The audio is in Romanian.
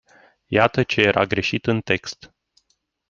Iată ce era greșit în text.